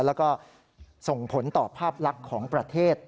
แล้วก็ส่งผลต่อภาพลักษณ์ของประเทศ